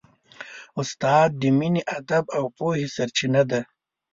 استاد د مینې، ادب او پوهې سرچینه ده.